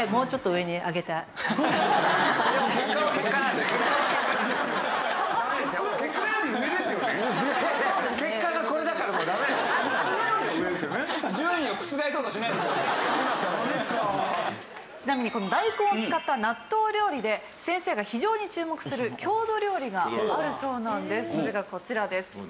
ちなみにこの大根を使った納豆料理で先生が非常に注目する郷土料理があるそうなんです。